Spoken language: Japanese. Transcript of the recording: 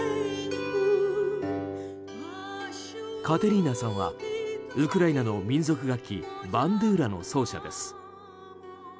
カテリーナさんはウクライナの民族楽器バンドゥーラの奏者です。